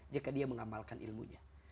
jika dia mengamalkan ilmunya